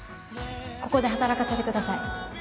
ここで働かせてください。